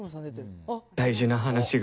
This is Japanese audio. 大事な話が。